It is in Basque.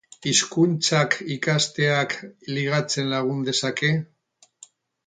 Hizkuntzak ikasteak ligatzen lagun dezake?